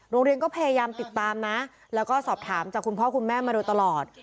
โรงเรียนก็พยายามติดตามนะแล้วก็สอบถามจากคุณพ่อคุณแม่มาโดยตลอด